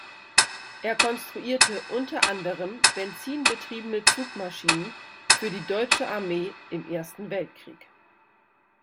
Er konstruierte unter anderem benzinbetriebene Zugmaschinen für die deutsche Armee im Ersten Weltkrieg.